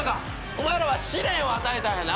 お前らは試練を与えたんやな。